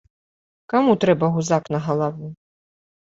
Каму трэба гузак на галаву?